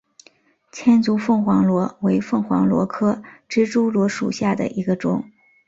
千足凤凰螺为凤凰螺科蜘蛛螺属下的一个种。